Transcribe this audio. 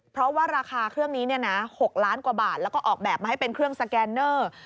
เพราะว่าราคาเครื่องนี้๖ล้านกว่าบาทแล้วก็ออกแบบมาให้เป็นเครื่องสแกนเนอร์